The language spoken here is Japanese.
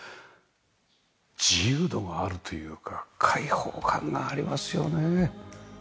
自由度があるというか開放感がありますよね。